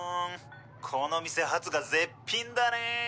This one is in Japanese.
この店ハツが絶品だね。